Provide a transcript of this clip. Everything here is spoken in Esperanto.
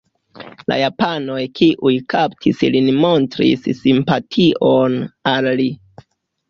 La japanoj kiuj kaptis lin montris simpation al li.